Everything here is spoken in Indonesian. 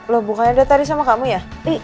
loh bukanya ada tadi sama kamu ya